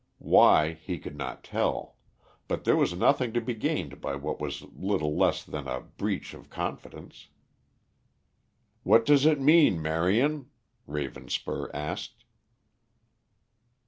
Why he could not tell; but there was nothing to be gained by what was little less than a breach of confidence. "What does it mean, Marion?" Ravenspur asked.